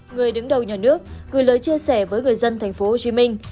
người đứng đầu nhà nước gửi lời chia sẻ với người dân thành phố hồ chí minh